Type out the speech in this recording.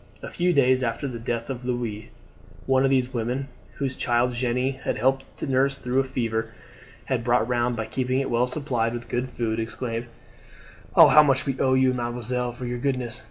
A few days after the death of Louise one of these women, whose child Jeanne had helped to nurse through a fever and had brought round by keeping it well supplied with good food, exclaimed: "Oh, how much we owe you, mademoiselle, for your goodness!"